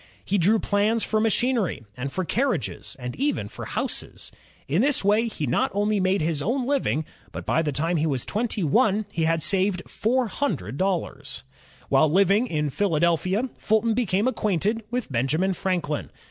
He drew plans for ma chinery and for carriages, and even houses. In this way he not only made his own living, but by the time he was twenty one he had saved four hundred dollars. While Uving in Philadelphia, Fulton became acquainted with Benjamin Franklin.